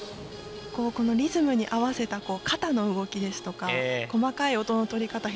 リズムに合わせた肩の動きですとか細かい音の取り方